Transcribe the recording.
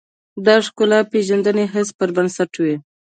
دا د ښکلا پېژندنې حس پر بنسټ وي.